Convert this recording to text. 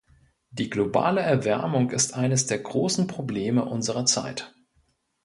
Die globale Erwärmung ist eines der großen Probleme unserer Zeit.